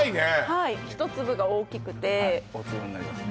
はい１粒が大きくてはい大粒になりますね